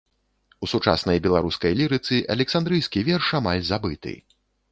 У сучаснай беларускай лірыцы александрыйскі верш амаль забыты.